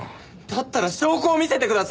だったら証拠を見せてください。